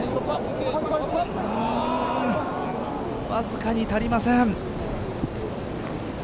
わずかに足りません。